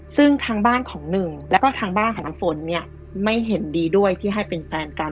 ซึ่งทางบ้านของหนึ่งแล้วก็ทางบ้านของน้ำฝนเนี่ยไม่เห็นดีด้วยที่ให้เป็นแฟนกัน